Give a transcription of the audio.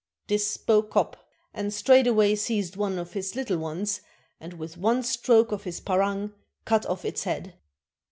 This spoke Kop, and straightway seized one of his little ones, and with one stroke of his parang cut off its head.